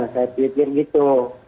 saya pikir begitu